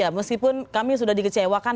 ya meskipun kami sudah dikecewakan